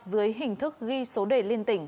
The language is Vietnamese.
dưới hình thức ghi số đề liên tỉnh